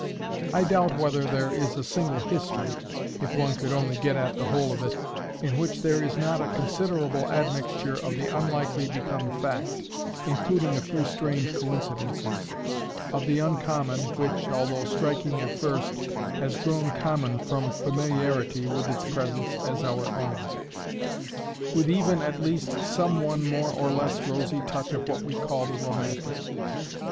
I doubt whether there is a single history—if one could only get at the whole of it—in which there is not a considerable admixture of the unlikely become fact, including a few strange coincidences; of the uncommon, which, although striking at first, has grown common from familiarity with its presence as our own; with even, at least, some one more or less rosy touch of what we call the romantic.